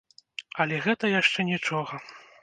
Але гэта яшчэ нічога.